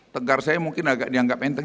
tegar saya mungkin agak dianggap enteng